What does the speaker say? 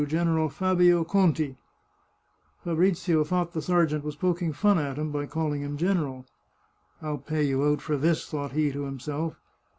General Fabio Conti !" Fabrizio thought the sergeant was poking fun at him by calling him general. " I'll pay you out for this," thought he to himself.